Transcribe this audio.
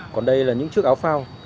còn đây là những chức áo phao